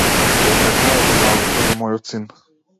Се одрекувам од одмаздата за мојот син.